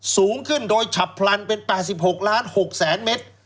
สูงขึ้นโดยฉับพลันเป็น๘๖ล้าน๖๐๐๐เมตร